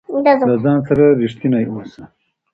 له ځان سره رښتينی اوسه